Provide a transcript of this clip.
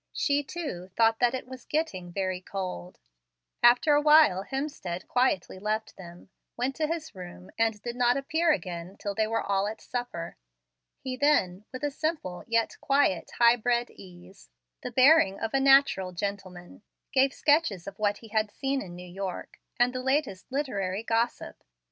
She, too, thought that it was getting very "cold." After a while Hemstead quietly left them, went to his room, and did not appear again till they were all at supper. He then, with a simple, yet quiet, high bred ease, the bearing of a natural gentleman, gave sketches of what he had seen in New York, and the latest literary gossip.